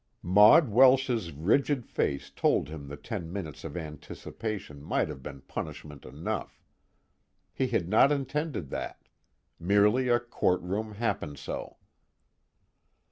Maud Welsh's rigid face told him the ten minutes of anticipation might have been punishment enough. He had not intended that: merely a courtroom happen so.